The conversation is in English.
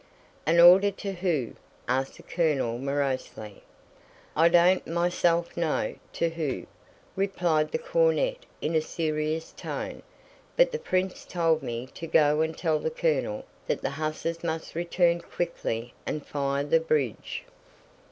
"An order to who?" asked the colonel morosely. "I don't myself know 'to who,'" replied the cornet in a serious tone, "but the prince told me to 'go and tell the colonel that the hussars must return quickly and fire the bridge.